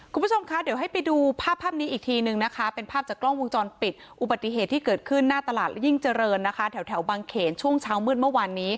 คุณผู้ชมคะเดี๋ยวให้ไปดูภาพภาพนี้อีกทีนึงนะคะเป็นภาพจากกล้องวงจรปิดอุบัติเหตุที่เกิดขึ้นหน้าตลาดยิ่งเจริญนะคะแถวบางเขนช่วงเช้ามืดเมื่อวานนี้